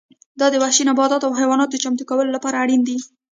دا د وحشي نباتاتو او حیواناتو چمتو کولو لپاره اړین دي